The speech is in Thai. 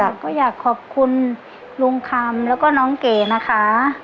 ก็อยากขอบคุณลุงคำแล้วก็น้องเก๋นะคะ